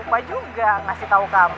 ibu sampe lupa juga ngasih tau kamu